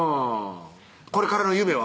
これからの夢は？